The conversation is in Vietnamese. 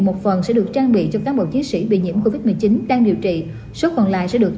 một phần sẽ được trang bị cho cán bộ chiến sĩ bị nhiễm covid một mươi chín đang điều trị số còn lại sẽ được